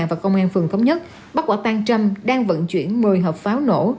và công an phường thống nhất bắt quả tang trâm đang vận chuyển một mươi hộp pháo nổ